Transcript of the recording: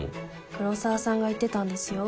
黒澤さんが言ってたんですよ。